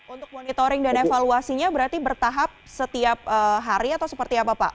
untuk monitoring dan evaluasinya berarti bertahap setiap hari atau seperti apa pak